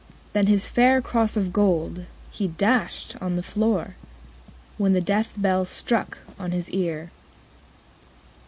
_20 4. Then his fair cross of gold he dashed on the floor, When the death knell struck on his ear.